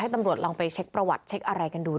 ให้ตำรวจลองไปเช็กประวัติเช็กอะไรกันดูด้วย